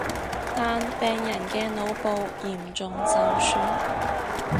但病人嘅腦部嚴重受損